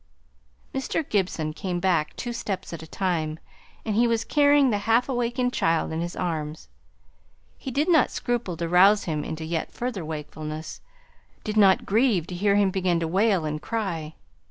Mr. Gibson came back two steps at a time; he was carrying the half awakened child in his arms. He did not scruple to rouse him into yet further wakefulness did not grieve to hear him begin to wail and cry.